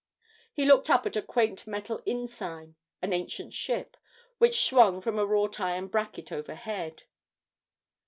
He looked up at a quaint metal inn sign, an ancient ship, which swung from a wrought iron bracket overhead.